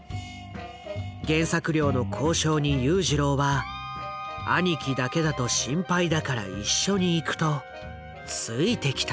原作料の交渉に裕次郎は「兄貴だけだと心配だから一緒に行く」とついてきた。